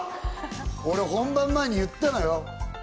俺、本番前に言ったのよ。